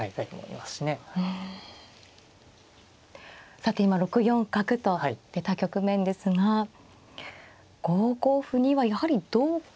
さて今６四角と出た局面ですが５五歩にはやはり同角と。